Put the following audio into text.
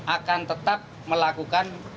akan tetap melakukan